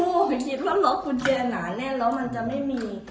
ไม่คิดว่าล็อกกุญแจหนาแน่แล้วมันจะไม่มี